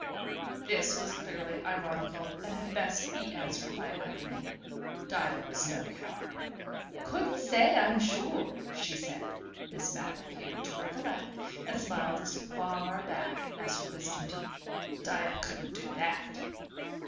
This was clearly ironical, and had best be answered by irony. Diva was no coward. "Couldn't say, I'm sure," she said. Miss Mapp appeared to recollect, and smiled as far back as her wisdom teeth. (Diva couldn't do that.)